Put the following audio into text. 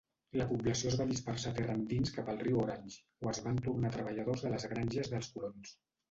La població es va dispersar terra endins cap al riu Orange o es van tornar treballadors de les granges dels colons.